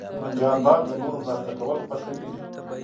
جانداد د نورو مرسته کول خوښوي.